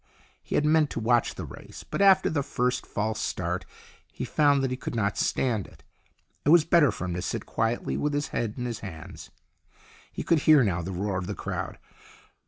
He had meant to watch the race, but after the first false start he found that he could not stand it. It was better for him to sit quietly with his head in his hands. He could hear now the roar of the crowd.